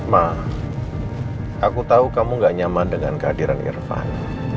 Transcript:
mak aku tahu kamu gak nyaman dengan kehadiran irfan